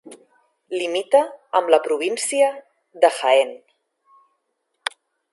Limita amb la província de Jaén.